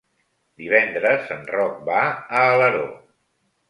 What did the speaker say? Divendres en Roc va a Alaró.